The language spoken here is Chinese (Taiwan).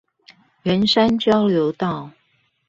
圓山交流道